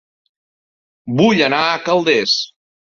Vull anar a Calders